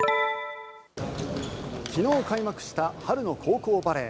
昨日開幕した春の高校バレー。